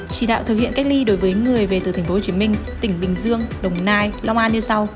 chỉ đạo thực hiện cách ly đối với người về từ tp hcm tỉnh bình dương đồng nai long an như sau